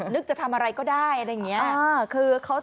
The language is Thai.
จะทำอะไรก็ได้อะไรอย่างนี้